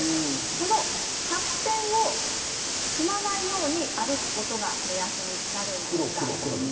この白線を踏まないように歩くことが目安になるんですが。